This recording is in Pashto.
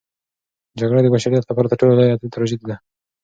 جګړه د بشریت لپاره تر ټولو لویه تراژیدي ده.